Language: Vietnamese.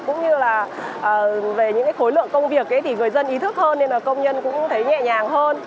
cũng như là về những khối lượng công việc người dân ý thức hơn công nhân cũng thấy nhẹ nhàng hơn